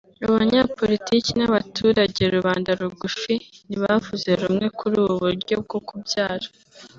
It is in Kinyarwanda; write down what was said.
abanyapolitiki n’abaturage rubanda rugufi ntibavuze rumwe kuri ubu buryo bwo kubyara